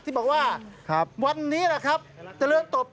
ที่บอกว่าวันนี้นะครับจะเริ่มโตป์